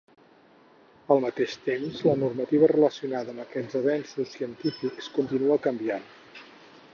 Al mateix temps, la normativa relacionada amb aquests avenços científics continua canviant.